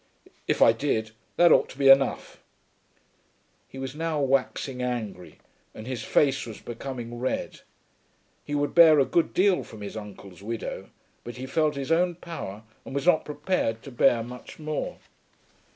"If I did, that ought to be enough." He was now waxing angry and his face was becoming red. He would bear a good deal from his uncle's widow, but he felt his own power and was not prepared to bear much more.